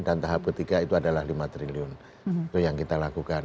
dan tahap ketiga itu adalah lima triliun itu yang kita lakukan